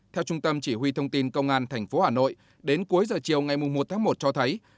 theo trung tâm chỉ huy thông tin công an tp hà nội đến cuối giờ chiều ngày một tháng một cho thấy